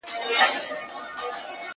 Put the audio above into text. زه به څنگه ستا ښکارونو ته زړه ښه کړم،